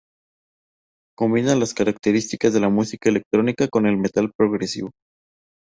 Combina las características de la música electrónica con el metal progresivo.